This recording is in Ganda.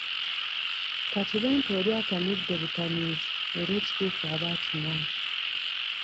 Ka kibe nti oli atamidde butamiizi era ekituufu aba akimanyi.